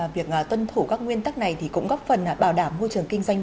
việc tuân thủ các nguyên tắc này cũng góp phần bảo đảm môi trường kinh doanh